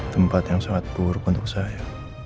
tempat yang sangat buruk untuk saya